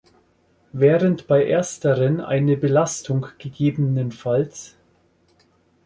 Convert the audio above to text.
Während bei ersteren eine Belastung ggf.